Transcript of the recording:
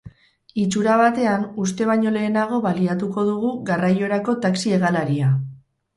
Itxura batean, uste baino lehenago baliatuko dugu garraiorako taxi hegalaria.